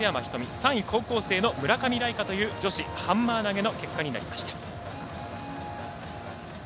３位、高校生の村上来花という女子ハンマー投げの結果になりました。